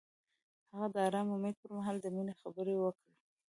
هغه د آرام امید پر مهال د مینې خبرې وکړې.